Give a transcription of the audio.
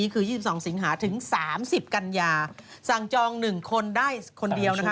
ถึงสามสิบกัญญาสั่งจองหนึ่งคนได้คนเดียวนะคะ